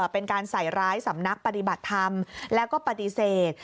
เป็นการใส่ร้ายสำนักปฏิบัติธรรมแล้วก็ปฏิเสธ